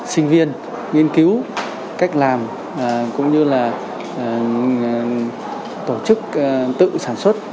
sinh viên nghiên cứu cách làm cũng như là tổ chức tự sản xuất